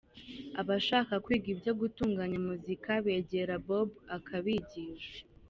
Abashaka kwiga ibyo gutunganya muzika begera Bob akabigisha.